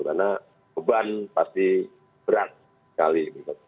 karena beban pasti berat sekali